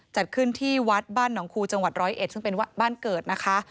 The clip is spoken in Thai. จัดขึ้นที่วัดบ้านหนองคูจังหวัดร้อยเอ็ดซึ่งเป็นบ้านเกิดนะคะ